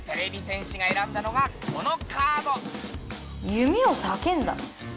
「夢をさけんだ」？